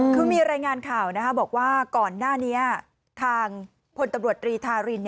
คือมีรายงานข่าวบอกว่าก่อนหน้านี้ทางพลตำรวจตรีทาริน